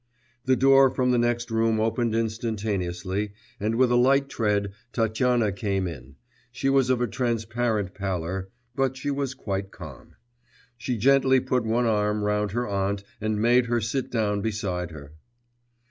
The door from the next room opened instantaneously, and with a light tread Tatyana came in; she was of a transparent pallor, but she was quite calm. She gently put one arm round her aunt and made her sit down beside her.